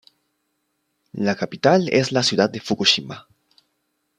La capital es la ciudad de Fukushima.